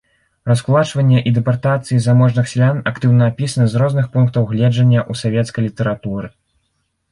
Раскулачванне і дэпартацыі заможных сялян актыўна апісаны з розных пунктаў гледжання ў савецкай літаратуры.